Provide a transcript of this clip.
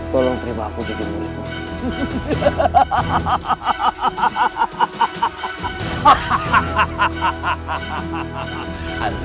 tolong terima aku sedikit lagi